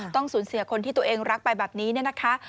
ต้องสูญเสียคนที่ตัวเองรักไปแบบนี้เนี่ยนะคะ